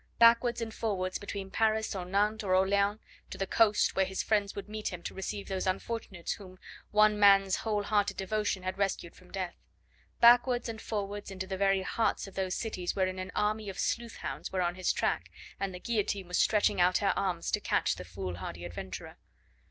Backwards and forwards between Paris, or Nantes, or Orleans to the coast, where his friends would meet him to receive those unfortunates whom one man's whole hearted devotion had rescued from death; backwards and forwards into the very hearts of those cities wherein an army of sleuth hounds were on his track, and the guillotine was stretching out her arms to catch the foolhardy adventurer.